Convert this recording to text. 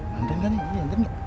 nantain gak nih nantain gak